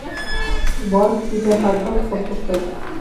Wolff sigue a Haddock por sospecha.